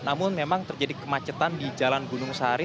namun memang terjadi kemacetan di jalan gunung sari